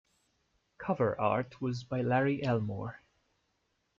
Cover art was by Larry Elmore.